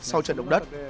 sau trận động đất